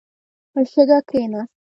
په شګه کښېناست.